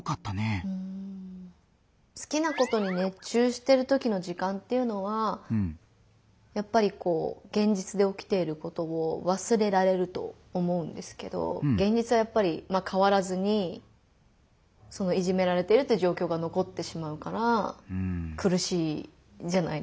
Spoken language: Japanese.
好きなことに熱中してるときの時間っていうのはやっぱりこう現実でおきていることを忘れられると思うんですけど現実はやっぱりまあ変わらずにそのいじめられてるっていう状況がのこってしまうからくるしいじゃないですか。